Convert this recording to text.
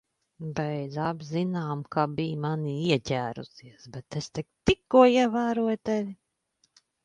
Beidz. Abi zinām, ka biji manī ieķērusies, bet es tik tikko ievēroju tevi.